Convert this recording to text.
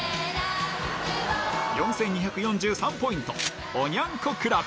４２４３ポイント、おニャン子クラブ。